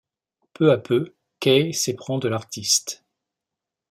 Peu à peu, Kay s'éprend de l'artiste.